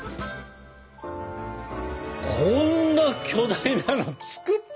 こんな巨大なの作った？